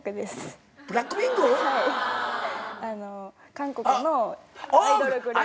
韓国のアイドルグループ。